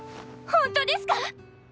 本当ですか？